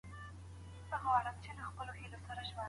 په څه ډول یو عادي کس د خپل زیار په زور مخکښ کیږي؟